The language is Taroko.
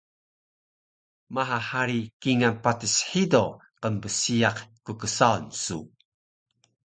Maha hari kingal patis hido qnbsiyaq kksaun su